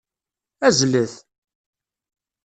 Azzlet!